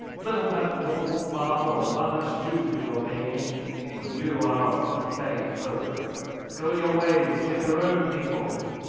Little had mortal father or mother to do with your making, for you are of the fey folk! Go your ways with your own people!